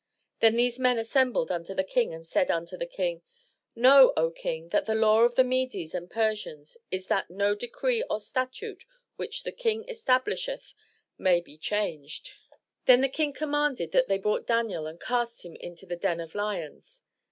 Then these men assembled unto the King and said unto the King: "Know, O King, that the law of the Medes and Persians is that no decree or statute which the King establisheth may be changed." 409 MY BOOK HOUSE Then the King commanded and they brought Daniel and cast him into the den of lions.